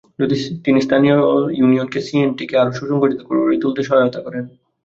তিনি স্থানীয় ইউনিয়নকে সিএনটিকে আরো সুসংগঠিত করে তুলতে সহায়তা করেন।